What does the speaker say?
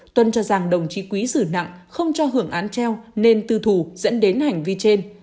tuân cho rằng đồng chí quý xử nặng không cho hưởng án treo nên tư thù dẫn đến hành vi trên